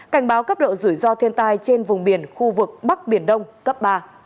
cảnh báo cấp độ rủi ro thiên tai trên vùng biển khu vực bắc biển đông cấp ba